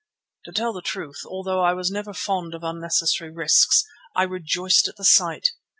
To tell the truth, although I was never fond of unnecessary risks, I rejoiced at the sight.